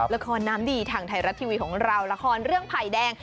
ละครน้ำดีทางไทยรัฐทีวีของเราละครเรื่องไผ่แดง